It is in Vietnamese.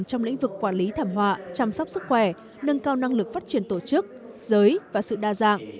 trong lĩnh vực quản lý thảm họa chăm sóc sức khỏe nâng cao năng lực phát triển tổ chức giới và sự đa dạng